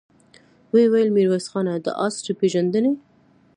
ويې ويل: ميرويس خانه! دآسړی پېژنې؟